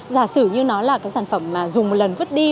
giả sử như nó là sản phẩm dùng một lần vứt đi